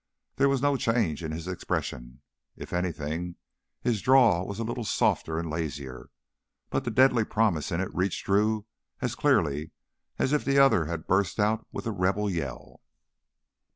There was no change in his expression. If anything, his drawl was a little softer and lazier, but the deadly promise in it reached Drew as clearly as if the other had burst out with the Rebel Yell.